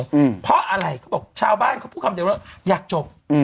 อืมเพราะอะไรเขาบอกชาวบ้านเขาพูดคำเดียวแล้วอยากจบอืม